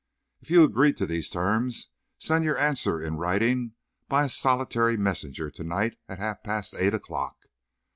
If you agree to these terms, send your answer in writing by a solitary messenger to night at half past eight o'clock.